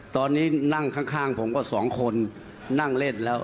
ตอนนี้นั่งข้างผมก็สองคนนั่งเล่นแล้ว